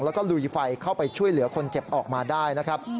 แล้วก็ลุยไฟเข้าไปช่วยเหลือคนเจ็บออกมาได้นะครับ